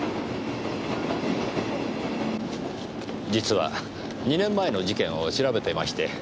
実は２年前の事件を調べてまして。